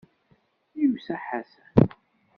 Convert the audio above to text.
Yusa Ḥasan.